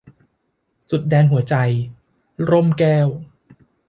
สุดแดนหัวใจ - ร่มแก้ว